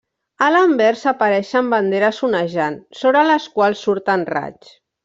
A l'anvers apareixen banderes onejant, sobre les quals surten raigs.